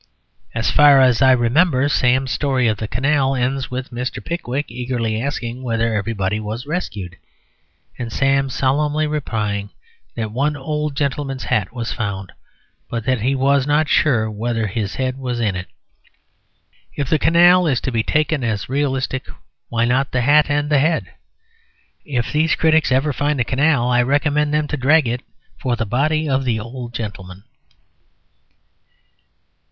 As far as I remember, Sam's story of the canal ends with Mr. Pickwick eagerly asking whether everybody was rescued, and Sam solemnly replying that one old gentleman's hat was found, but that he was not sure whether his head was in it. If the canal is to be taken as realistic, why not the hat and the head? If these critics ever find the canal I recommend them to drag it for the body of the old gentleman.